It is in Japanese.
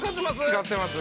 ◆使ってます。